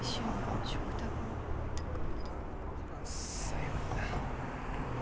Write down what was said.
最後にな